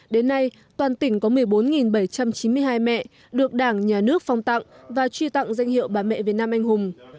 đến nay toàn tỉnh có một mươi bốn bảy trăm chín mươi hai mẹ được đảng nhà nước phong tặng và truy tặng danh hiệu bà mẹ việt nam anh hùng